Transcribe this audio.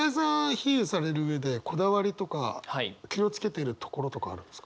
比喩される上でこだわりとか気を付けてるところとかあるんですか？